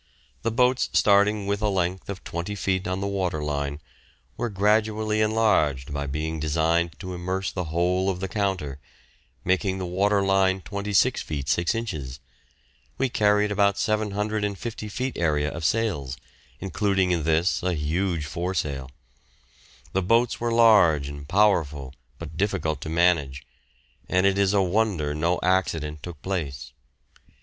The boats starting with a length of 20 feet on the water line, were gradually enlarged by being designed to immerse the whole of the counter, making the water line length 26 feet 6 inches. We carried about 750 feet area of sails, including in this a huge foresail. The boats were large and powerful, but difficult to manage, and it is a wonder no accident took place.